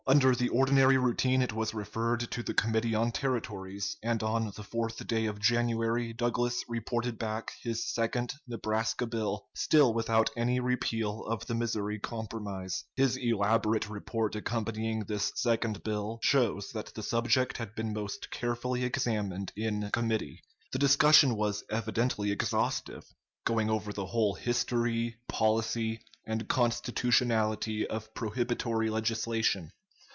Under the ordinary routine it was referred to the Committee on Territories, and on the 4th day of January Douglas reported back his second Nebraska bill, still without any repeal of the Missouri Compromise. His elaborate report accompanying this second bill, shows that the subject had been most carefully examined in committee. The discussion was evidently exhaustive, going over the whole history, policy, and constitutionality of prohibitory legislation.